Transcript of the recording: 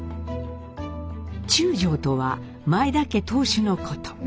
中将とは前田家当主のこと。